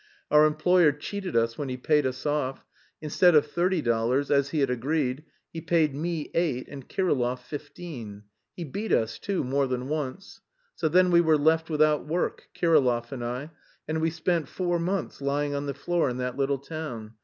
Our employer cheated us when he paid us off; instead of thirty dollars, as he had agreed, he paid me eight and Kirillov fifteen; he beat us, too, more than once. So then we were left without work, Kirillov and I, and we spent four months lying on the floor in that little town.